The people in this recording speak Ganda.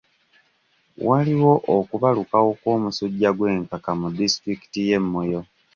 Waliwo okubalukawo kw'omusujja gw'enkaka mu disitulikiti y'e Moyo.